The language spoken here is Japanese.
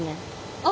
あっ。